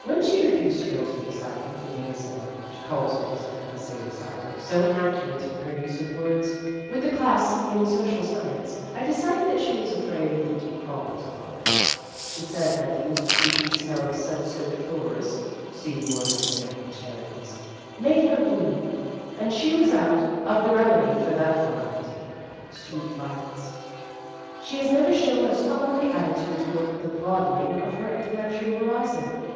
When she refused to go to the asylum for the insane (she calls it insane asylum so inaccurate in her use of words !) with the class in so cial science, I decided that she was afraid of the deep problems of life. She said that the " institution smell of sud soaked floors " (see Warner's American Charities) made her blue, and she was out of the 206 Vassar Studies remedy for that variety sweet violets. She has never shown a scholarly attitude toward the broadening of her intellectual horizon.